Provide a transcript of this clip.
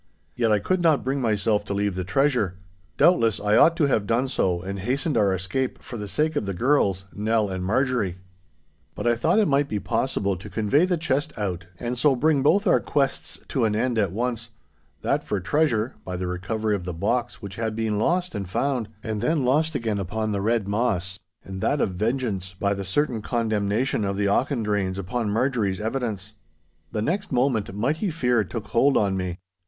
Yet I could not bring myself to leave the treasure. Doubtless I ought to have done so, and hastened our escape for the sake of the girls, Nell and Marjorie. But I thought it might be possible to convey the chest out, and so bring both our quests to an end at once—that for treasure, by the recovery of the box which had been lost and found, and then lost again upon the Red Moss, and that of vengeance, by the certain condemnation of the Auchendraynes upon Marjorie's evidence. The next moment mighty fear took hold on me.